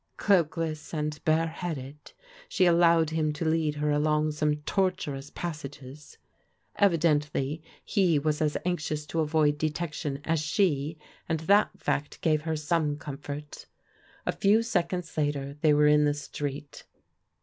Qoakless and bareheaded she allowed him to lead her along some torturous passages. Evidently he was as anxious to avoid detection as she, and that fact gave her some comfort A few seconds later they were in the street.